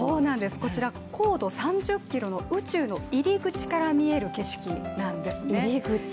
こちら、高度３０ｋｍの宇宙の入り口から見える景色なんですね。